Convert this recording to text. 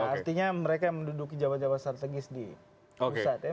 artinya mereka yang menduduki jabatan strategis di pusat ya